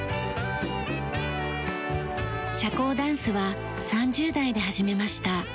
社交ダンスは３０代で始めました。